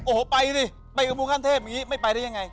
โอ้โหไปดิไปกับมูขั้นเทพอย่างนี้ไม่ไปได้ยังไง